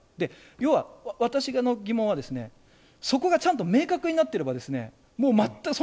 要は、私の疑問は、そこがちゃんと明確になっていれば、もう全く、